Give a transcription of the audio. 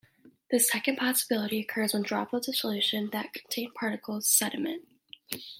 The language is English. The second possibility occurs when droplets of solution that contain particles sediment.